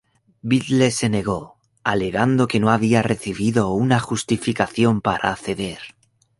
Biddle se negó, alegando que no había recibido una justificación para acceder.